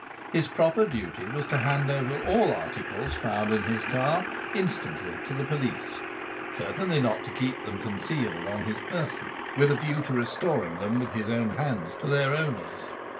His proper duty was to hand over all articles found in his car instantly to the police certainly not to keep them concealed on his person with a view to restoring them with his own hands to their owners.